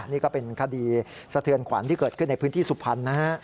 นี่ก็เป็นคดีสะเทือนขวัญที่เกิดขึ้นในพื้นที่สุพรรณนะฮะ